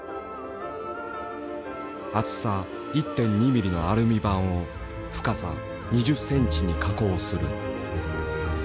厚さ１．２ミリのアルミ板を深さ２０センチに加工する。